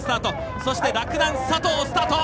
そして洛南、佐藤スタート。